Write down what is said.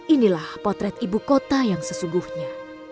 inilah potret ibu kota yang sesungguhnya